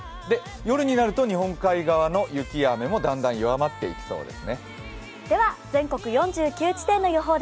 夜になると日本海側の雪や雨もだんだん弱まっていきそうです。